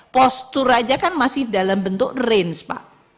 postur aja kan masih dalam bentuk range pak